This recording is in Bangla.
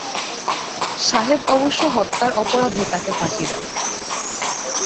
সাহেব অবশ্য হত্যার অপরাধে তাঁকে ফাঁসি দেন।